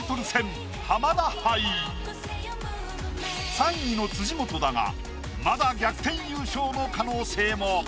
３位の辻元だがまだ逆転優勝の可能性も。